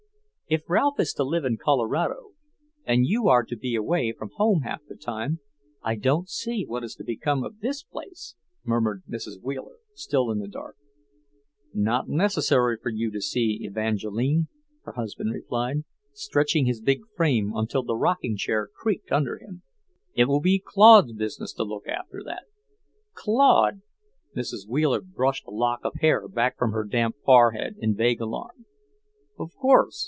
"If Ralph is to live in Colorado, and you are to be away from home half of the time, I don't see what is to become of this place," murmured Mrs. Wheeler, still in the dark. "Not necessary for you to see, Evangeline," her husband replied, stretching his big frame until the rocking chair creaked under him. "It will be Claude's business to look after that." "Claude?" Mrs. Wheeler brushed a lock of hair back from her damp forehead in vague alarm. "Of course."